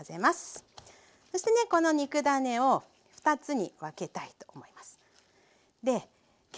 そしてねこの肉ダネを２つに分けたいと思います。